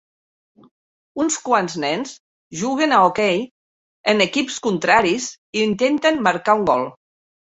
Uns quants nens juguen a hoquei en equips contraris i intenten marcar un gol.